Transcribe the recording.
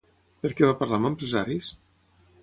Per què va parlar amb empresaris?